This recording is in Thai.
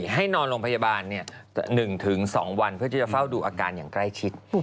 ให้นอนโรงพยาบาล๑๒วันเพื่อที่จะเฝ้าดูอาการอย่างใกล้ชิด